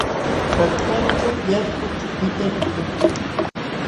Pankanćhu yakuchupitam mikunchik.